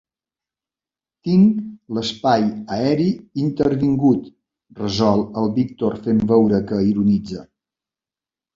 Tinc l'espai aeri intervingut —resol el Víctor fent veure que ironitza.